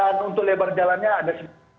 dan untuk lebar jalannya ada